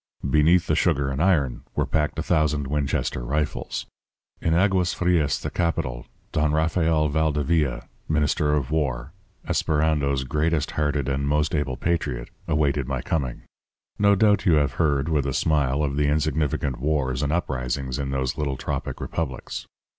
Beneath the sugar and iron were packed a thousand Winchester rifles. In Aguas Frias, the capital, Don Rafael Valdevia, Minister of War, Esperando's greatest hearted and most able patriot, awaited my coming. No doubt you have heard, with a smile, of the insignificant wars and uprisings in those little tropic republics.